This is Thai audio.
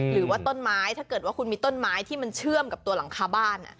หรือว่าต้นไม้ถ้าเกิดว่าคุณมีต้นไม้ที่มันเชื่อมกับตัวหลังคาบ้าน